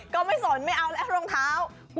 ไม่สนไม่เอาแล้วรองเท้า